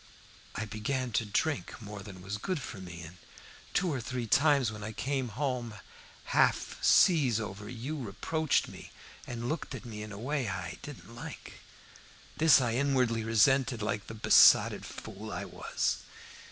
I began to drink more than was good for me, and two or three times when I came home half sees over you reproached me, and looked at me in a way I didn't like. This I inwardly resented, like the besotted fool I was.